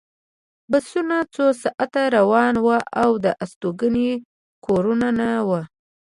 بسونه څو ساعته روان وو او د استوګنې کورونه نه وو